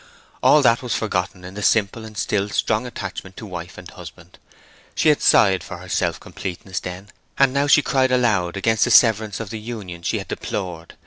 All that was forgotten in the simple and still strong attachment of wife to husband. She had sighed for her self completeness then, and now she cried aloud against the severance of the union she had deplored.